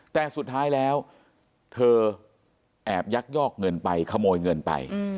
แต่สุดท้ายแล้วเธอแอบยักยอกเงินไปขโมยเงินไป